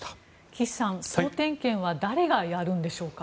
岸さん、総点検は誰がやるんでしょうか。